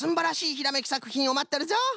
ひらめきさくひんをまっとるぞ！